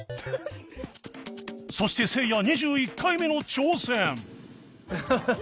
そしてせいや２１回目の挑戦